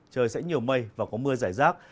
trời sẽ nhiều mây và có mưa giải rác